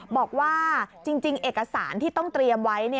บอกว่าจริงเอกสารที่ต้องเตรียมไว้